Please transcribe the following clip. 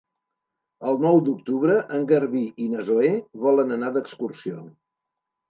El nou d'octubre en Garbí i na Zoè volen anar d'excursió.